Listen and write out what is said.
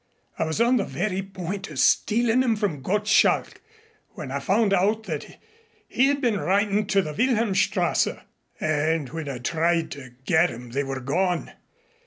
I was on the very point of stealing 'em from Gottschalk when I found out that he had been writin' to the Wilhelmstrasse, and when I tried to get 'em they were gone.